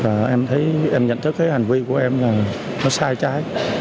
và em nhận thức cái hành vi của em là nó sai trái